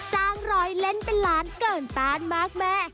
จังรอยเล่นเป็นล้านเกินปาร์นมากม่ะ